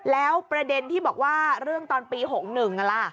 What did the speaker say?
แล้วประเด็นที่บอกว่าเรื่องตอนปี๖๑ล่ะ